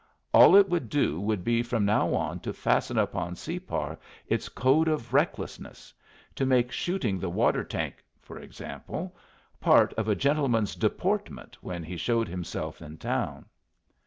All it would do would be from now on to fasten upon Separ its code of recklessness; to make shooting the water tank (for example) part of a gentleman's deportment when he showed himself in town.